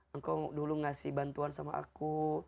engkau dulu ngasih bantuan sama aku